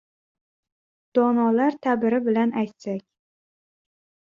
Donolar ta’biri bilan aytsak.